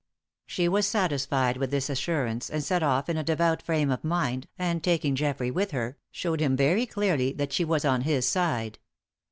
She was satisfied with this assurance, and set off in a devout frame of mind, and, taking Geoffrey with her, shewed him very clearly that she was on his side.